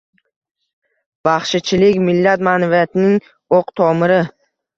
Baxshichilik - millat ma’naviyatining o‘q tomiri